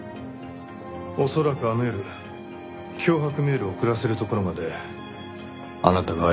恐らくあの夜脅迫メールを送らせるところまであなたが相島をたきつけた。